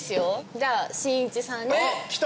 じゃあしんいちさんに来た！